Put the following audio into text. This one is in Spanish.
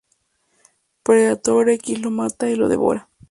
Predator X lo mata y lo devora.